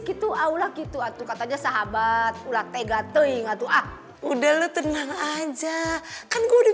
gitu aulah gitu atuh katanya sahabat ulat tegat teing atuh ah udah lu tenang aja kan gua udah